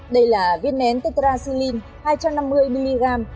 đây là viên nén tecrasylin hai trăm năm mươi mg